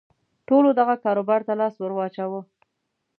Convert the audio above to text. ټولو دغه کاروبار ته لاس ور واچاوه.